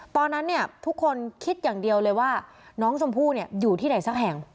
ตอนนั้นเนี่ยทุกคนคิดอย่างเดียวเลยว่าน้องชมพู่อยู่ที่ไหนสักแห่ง